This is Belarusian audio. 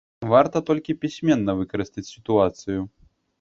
Варта толькі пісьменна выкарыстаць сітуацыю.